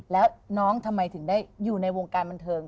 แล้วน้องทำไมถึงได้อยู่ในวงการบันเทิง